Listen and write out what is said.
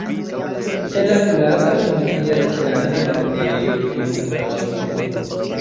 En la placo funkcias granda vendejo pri nutraĵoj.